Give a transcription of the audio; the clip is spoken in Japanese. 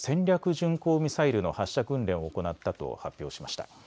巡航ミサイルの発射訓練を行ったと発表しました。